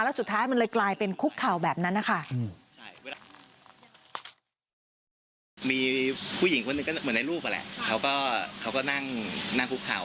แล้วสุดท้ายมันเลยกลายเป็นคุกเข่าแบบนั้นนะคะ